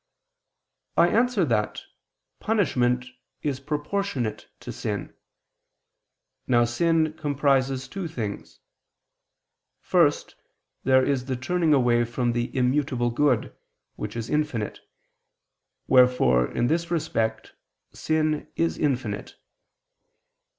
I answer that, Punishment is proportionate to sin. Now sin comprises two things. First, there is the turning away from the immutable good, which is infinite, wherefore, in this respect, sin is infinite.